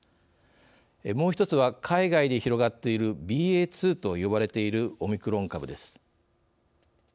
もう一つは、海外で広がっているＢＡ．２と呼ばれているオミクロン株です。